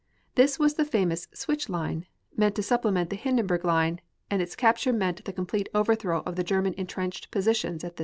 This was the famous switch line, meant to supplement the Hindenburg line and its capture meant the complete overthrow of the German intrenched positions at this point.